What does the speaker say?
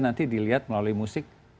nanti dilihat melalui musik